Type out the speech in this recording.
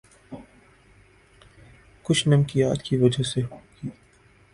کچھ نمکیات کی وجہ سے ہوگی